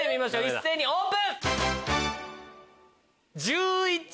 一斉にオープン！